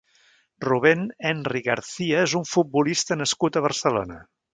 Rubén Enri García és un futbolista nascut a Barcelona.